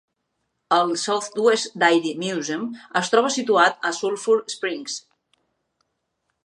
El Southwest Dairy Museum es troba situat a Sulphur Springs.